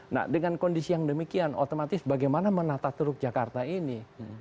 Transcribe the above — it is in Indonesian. nah dengan kondisi yang demikian otomatis bagaimana menata teluk jakarta ini